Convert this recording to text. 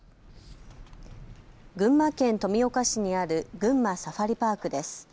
群馬県富岡市にある群馬サファリパークです。